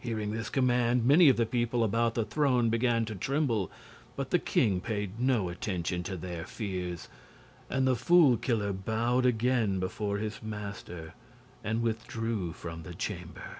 Hearing this command, many of the people about the throne began to tremble; but the king paid no attention to their fears, and the Fool Killer bowed again before his master and withdrew from the chamber.